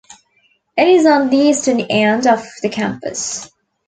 It is on the eastern end of the campus.